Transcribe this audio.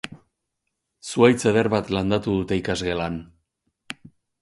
Zuhaitz eder bat landatu dute ikasgelan.